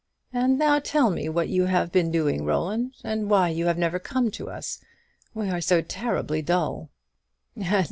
And now tell me what you have been doing, Roland; and why you have never come to us. We are so terribly dull."